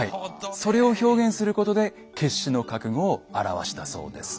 それを表現することで決死の覚悟を表したそうです。